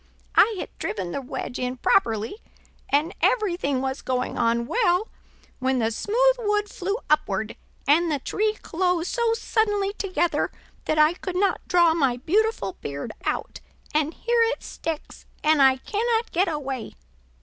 I had driven the wedge in properly, and everything was going on well, when the smooth wood flew upward, and the tree closed so suddenly together that I could not draw my beautiful beard out, and here it sticks and I cannot get away.